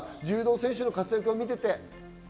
柔道選手の活躍を見ていて。